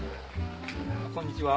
こんにちは。